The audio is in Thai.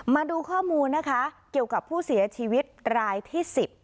มาดูข้อมูลนะคะเกี่ยวกับผู้เสียชีวิตรายที่๑๐